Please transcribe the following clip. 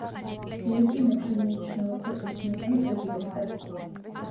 ფილიპინებში მიიჩნევა ქვეყნის მესამე პრეზიდენტად.